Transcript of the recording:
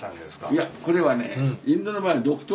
いやこれはね。